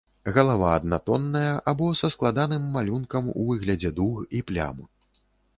Галава аднатонная або са складаным малюнкам у выглядзе дуг і плям.